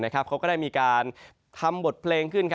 เขาก็ได้มีการทำบทเพลงขึ้น